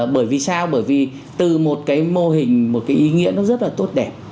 bởi vì sao bởi vì từ một cái mô hình một cái ý nghĩa nó rất là tốt đẹp